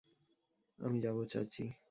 আমি যাবো, চাচী।